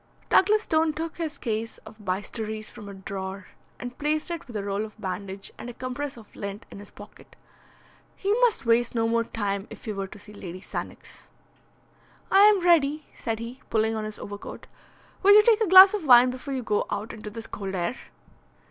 Douglas Stone took his case of bistouries from a drawer, and placed it with a roll of bandage and a compress of lint in his pocket. He must waste no more time if he were to see Lady Sannox. "I am ready," said he, pulling on his overcoat. "Will you take a glass of wine before you go out into this cold air?"